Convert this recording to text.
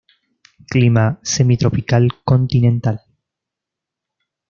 Clima semitropical continental.